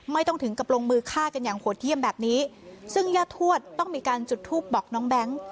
ไม่ต้องถึงกับลงมือฆ่ากันอย่างโหดเยี่ยมแบบนี้ซึ่งญาติทวดต้องมีการจุดทูปบอกน้องแบงค์